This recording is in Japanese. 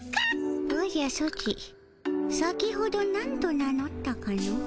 おじゃソチ先ほどなんと名のったかの？